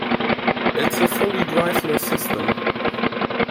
It is a fully driverless system.